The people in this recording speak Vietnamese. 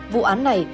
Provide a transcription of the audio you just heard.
vụ án này